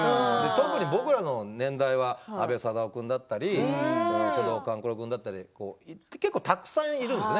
特に、僕らの年代は阿部サダヲ君だったりクドカン君だったり結構、たくさんいるんですよ。